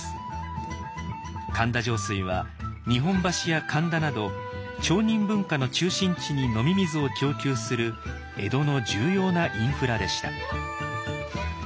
神田上水は日本橋や神田など町人文化の中心地に飲み水を供給する江戸の重要なインフラでした。